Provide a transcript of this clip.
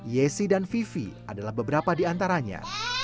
yesi dan vivi adalah beberapa di antaranya